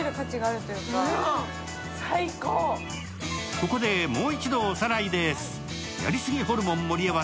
ここで、もう一度おさらいです。